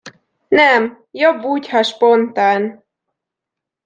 Nem, jobb úgy, ha spontán.